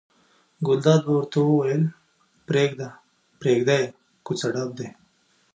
ګلداد به ورته ویل پرېږده یې کوڅه ډب دي.